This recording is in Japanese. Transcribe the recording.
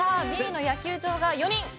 Ｂの野球場が４人。